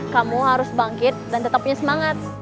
kamu harus bangkit dan tetap punya semangat